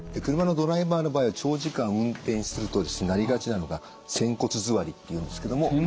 車のドライバーの場合は長時間運転するとですねなりがちなのが仙骨座りっていうんですけども。